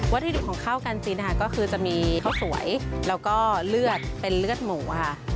วัฒนธ์ของข้าวกันจิ้นก็คือจะมีข้าวสวยแล้วก็เลือดเป็นเลือดหมูค่ะ